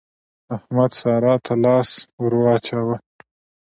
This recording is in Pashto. احمد سارا ته لاس ور واچاوو.